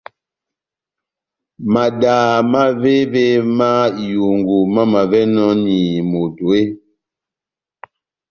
Madaha mávévémá ihungu mamavɛnɔni moto eeeh ?